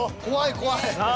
怖い怖い。